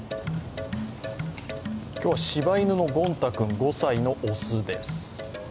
今日は柴犬のごん太くん、５歳の雄です。